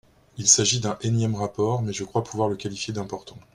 Il s’agit d’un énième rapport – mais je crois pouvoir le qualifier d’important.